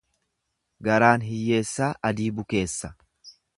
Garaan hiyyeessaa adii bukeessa.